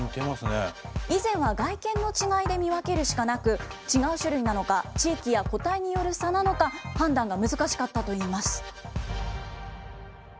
以前は外見の違いで見分けるしかなく、違う種類なのか、地域や固体による差なのか、判断が難しかったといいます。